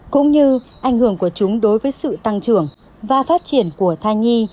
cũng như ảnh hưởng của chúng đối với sự tăng trưởng và phát triển của thai nhi